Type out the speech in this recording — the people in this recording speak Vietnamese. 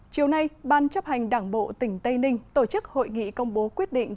chiều nay ban chấp hành đảng bộ tỉnh tây ninh tổ chức hội nghị công bố quyết định